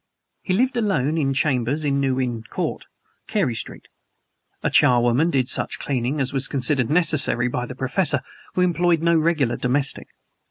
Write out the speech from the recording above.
He lived alone in chambers in New Inn Court, Carey Street. A charwoman did such cleaning as was considered necessary by the Professor, who employed no regular domestic.